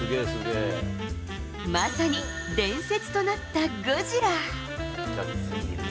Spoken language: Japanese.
まさに伝説となったゴジラ。